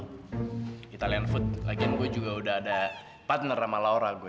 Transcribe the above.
kita liat foot lagian gua juga udah ada partner sama laura gue